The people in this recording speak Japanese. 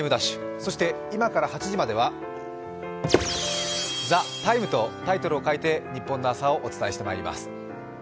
そして、今から８時までは「ＴＨＥＴＩＭＥ，」とタイトルを変えてニッポンの朝をお伝えしていきます。